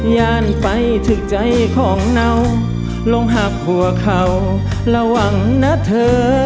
ยานไปถึงใจของเราลงหักหัวเข่าระวังนะเธอ